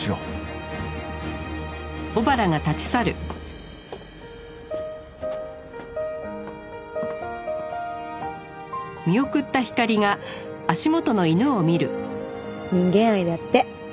フフ人間愛だって。